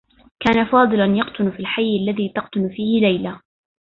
كان فاضل يقطن في الحيّ الذي تقطن فيه ليلى.